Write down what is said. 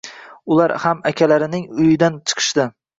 Ular ham akalarining uyidan chiqishdi.